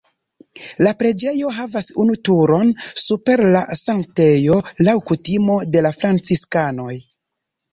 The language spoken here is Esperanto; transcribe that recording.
La preĝejo havas unu turon super la sanktejo laŭ kutimo de la franciskanoj.